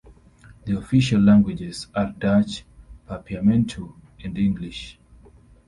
The official languages are Dutch, Papiamentu and English.